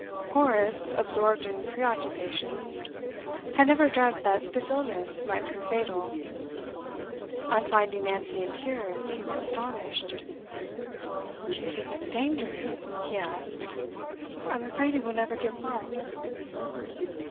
Horace, absorbed in preoccupations, had never dreamt that this illness might prove fatal; on finding Nancy in tears, he was astonished. 'Do you think it's dangerous?' he asked. 'I'm afraid he will never get well.